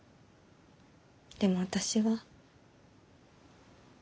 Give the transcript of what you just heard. でも私は。